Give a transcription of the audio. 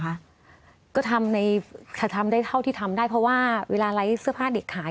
นะคะก็ทำในค่ะทำได้เท่าที่ทำได้เพราะว่าเวลาไร้เสื้อผ้าเด็กขาย